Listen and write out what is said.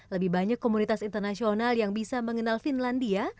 lebih banyak komunitas internasional yang bisa mengenal finlandia